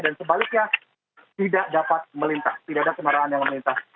dan sebaliknya tidak dapat melintas tidak ada kenaraan yang melintas